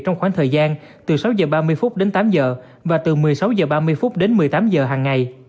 trong khoảng thời gian từ sáu h ba mươi phút đến tám h và từ một mươi sáu h ba mươi đến một mươi tám h hàng ngày